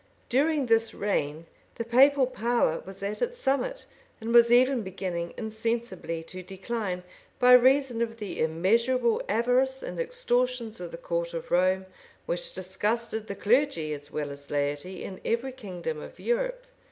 During this reign the papal power was at its summit, and was even beginning insensibly to decline, by reason of the immeasurable avarice and extortions of the court of Rome, which disgusted the clergy as well as laity in every kingdom of Europe.